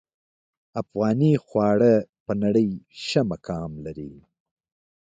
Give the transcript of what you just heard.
افغاني خواړه په نړۍ ښه مقام لري